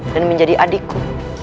dan menjadi adikku